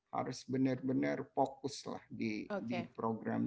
harus benar benar fokus lah di program